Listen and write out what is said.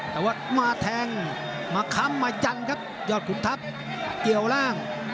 แต่ว่ามาแทงมาค้ำมายันครับยอดขุนทัพเกี่ยวร่าง